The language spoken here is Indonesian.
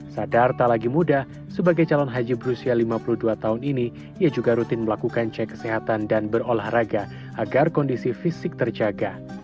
sadar tak lagi mudah sebagai calon haji berusia lima puluh dua tahun ini ia juga rutin melakukan cek kesehatan dan berolahraga agar kondisi fisik terjaga